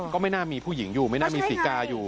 ก็ไม่น่ามีผู้หญิงอยู่ไม่น่ามีศรีกาอยู่